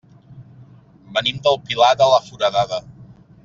Venim del Pilar de la Foradada.